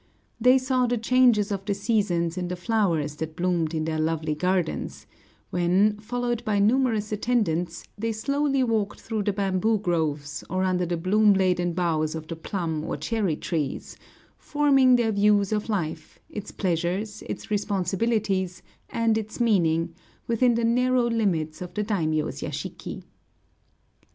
They saw the changes of the seasons in the flowers that bloomed in their lovely gardens, when, followed by numerous attendants, they slowly walked through the bamboo groves or under the bloom laden boughs of the plum or cherry trees, forming their views of life, its pleasures, its responsibilities, and its meaning, within the narrow limits of the daimiō's yashiki.